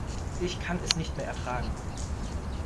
Ich kann es nicht mehr ertragen.